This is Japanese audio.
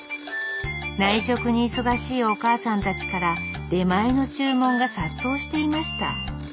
内職に忙しいおかあさんたちから出前の注文が殺到していました。